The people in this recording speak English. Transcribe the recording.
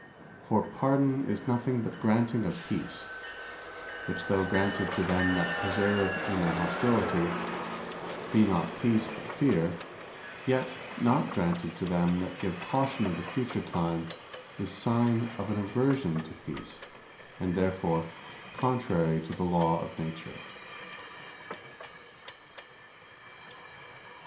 For PARDON, is nothing but granting of Peace; which though granted to them that persevere in their hostility, be not Peace, but Feare; yet not granted to them that give caution of the Future time, is signe of an aversion to Peace; and therefore contrary to the Law of Nature.